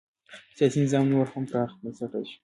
سیاسي نظام نور هم پراخ بنسټه شي.